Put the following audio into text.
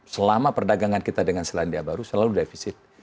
selama perdagangan kita dengan selandia baru selalu defisit